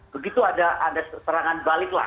begitu ada serangan balik lah